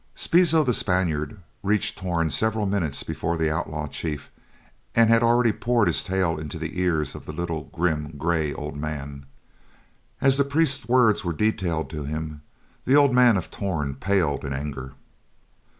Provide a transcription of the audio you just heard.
Spizo, the Spaniard, reached Torn several minutes before the outlaw chief and had already poured his tale into the ears of the little, grim, gray, old man. As the priest's words were detailed to him the old man of Torn paled in anger.